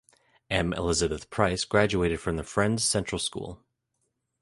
M. Elizabeth Price graduated from the Friends' Central School.